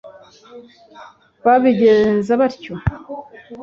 Babigenza batyo